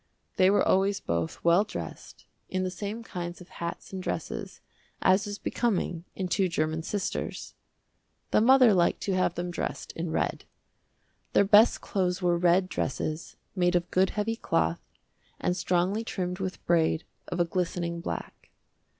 They were always both well dressed, in the same kinds of hats and dresses, as is becoming in two german sisters. The mother liked to have them dressed in red. Their best clothes were red dresses, made of good heavy cloth, and strongly trimmed with braid of a glistening black.